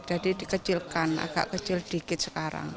jadi dikecilkan agak kecil dikit sekarang